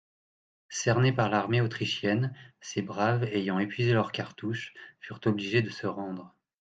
Cernés par l'armée autrichienne, ces braves ayant épuisé leurs cartouches, furent obligés de se rendre.